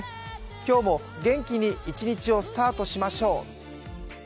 今日も元気に一日をスタートしましょう。